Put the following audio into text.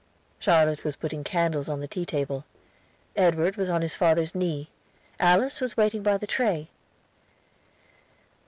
Charlotte was putting candles on the tea table. Edward was on his father's knee; Alice was waiting by the tray.